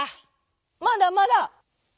「まだまだ」。